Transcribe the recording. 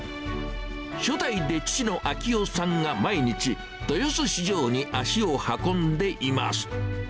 初代で父の明夫さんが毎日、豊洲市場に足を運んでいます。